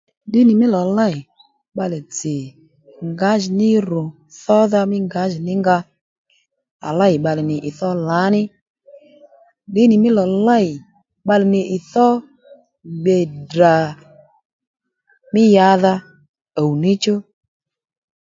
Ddǐnì mí lò lêy bbalè tsì ngǎjìní ru thódha mí ngǎjìní nga à lêy bbalè nì ì thó lǎní ddǐnì mí lò lêy bbalè nì ì thó gbè Ddrà mí yǎdha ùw níchú